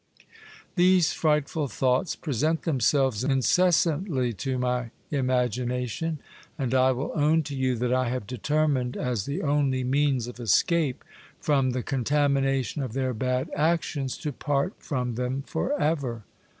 These frightful thoughts present themselves incessantly to my imagination, and I will own to you that I have determined, as the only means of escape from the contamination of their bad actions, to part from them for ever.